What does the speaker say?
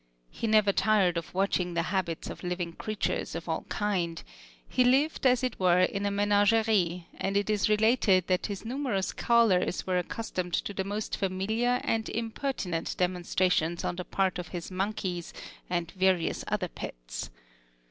He never tired of watching the habits of living creatures of all kinds; he lived as it were in a menagerie and it is related that his numerous callers were accustomed to the most familiar and impertinent demonstrations on the part of his monkeys and various other pets.